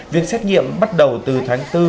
việc xét nghiệm bắt đầu từ tháng bốn